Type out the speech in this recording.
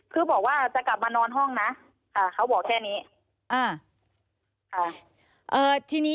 คือบอกว่าจะกลับมานอนห้องนะเขาบอกแค่นี้